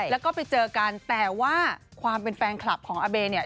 แล้วก็ไปเจอกันแต่ว่าความเป็นแฟนคลับของอาเบเนี่ย